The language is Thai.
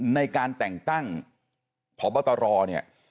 ในการแต่งตั้งพบตรเนี่ย